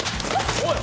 おい！